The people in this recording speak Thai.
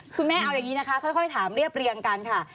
คือแม่เอาอย่างนี้นะคะค่อยถามเรียบเรียงกันค่ะ